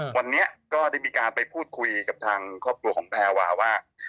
วันนี้ก็ได้มีการไปพูดคุยกับทางครอบครัวของแพรวาว่า